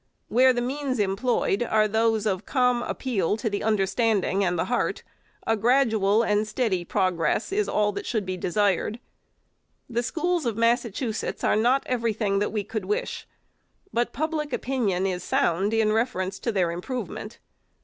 Where the means employed are those of calm appeal to the understanding and the heart, a grad ual and steady progress is all that should be desired. The schools of Massachusetts are not every thing that we could wish, but public opinion is sound in reference to their improvement.